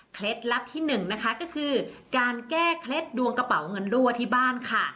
ลับที่หนึ่งนะคะก็คือการแก้เคล็ดดวงกระเป๋าเงินรั่วที่บ้านค่ะ